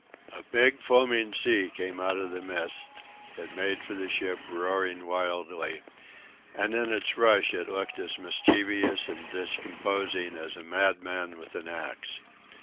A big, foaming sea came out of the mist; it made for the ship, roaring wildly, and in its rush it looked as mischievous and discomposing as a madman with an axe.